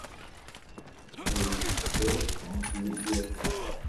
Ur yessefk ara ad teffɣemt deg yiḍ.